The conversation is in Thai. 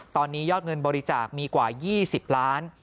ตอนนี้ยอดเงินบริจาคมีกว่า๒๐ล้าน